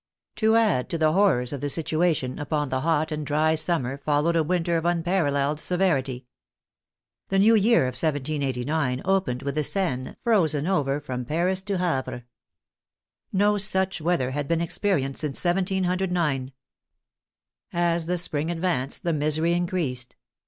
'* To add to the horrors of the situation, upon the hot and dry summer followed a winter of unparalleled severity. The new year of 1789 opened with the Seine frozen over from Paris to Havre. No such weather had been ex 6 ECONOMIC PRELUDE IN THE PROVINCES 7 perienced since 1709. As the spring advanced the misery increased.